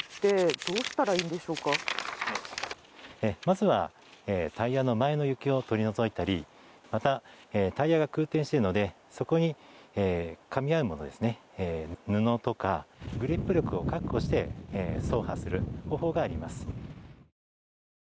まずはタイヤの前の雪を取り除いたりまた、タイヤが空転しているのでそこにかみ合うもの布とかグリップ力を確保して走破する方法があります。